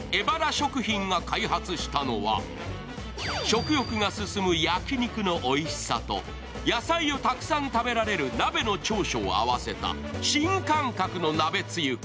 食欲が進む焼肉のおいしさと野菜をたくさん食べられる鍋の長所を合わせた新感覚の鍋つゆ。